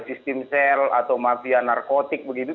sistem sel atau mafia narkotik begitu